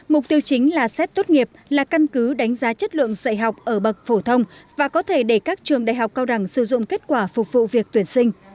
mục tiêu chính là xét tốt nghiệp là căn cứ đánh giá chất lượng dạy học ở bậc phổ thông và có thể để các trường đại học cao đẳng sử dụng kết quả phục vụ việc tuyển sinh